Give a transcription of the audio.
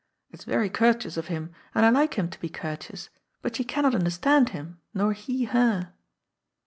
It is very courteous of him, and^I like him to be courteous, but she cannot understand him, nor he her."